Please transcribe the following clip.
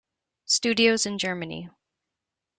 studios in Germany.